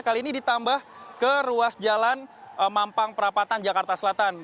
kali ini ditambah ke ruas jalan mampang perapatan jakarta selatan